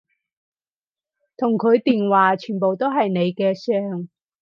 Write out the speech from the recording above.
同佢電話全部都係你嘅相